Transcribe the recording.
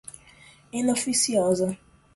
inoficiosa